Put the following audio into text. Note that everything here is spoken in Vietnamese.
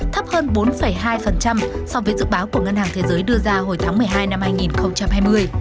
thấp hơn bốn hai so với dự báo của ngân hàng thế giới đưa ra hồi tháng một mươi hai năm hai nghìn hai mươi